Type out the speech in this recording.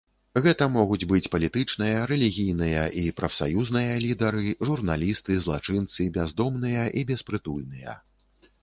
Гэта могуць быць палітычныя, рэлігійныя і прафсаюзныя лідары, журналісты, злачынцы, бяздомныя і беспрытульныя.